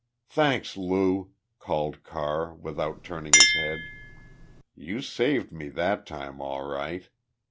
"Thanks, Lou," called Carr, without turning his head. "You saved me that time all right!